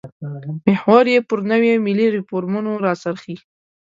محور یې پر نویو ملي ریفورمونو راڅرخي.